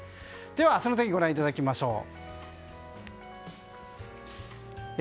では、明日の天気をご覧いただきましょう。